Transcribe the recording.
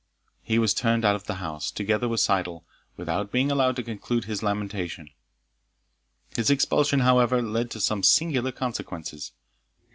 He was turned out of the house, together with Syddall, without being allowed to conclude his lamentation. His expulsion, however, led to some singular consequences.